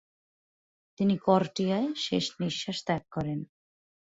তিনি করটিয়ায় শেষ নিশ্বাস ত্যাগ করেন।